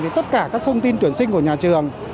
thì tất cả các thông tin tuyển sinh của nhà trường